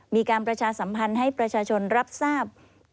มีการประชาสัมพันธ์ให้ประชาชนรับทราบ